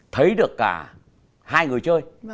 thấy được cả hai người chơi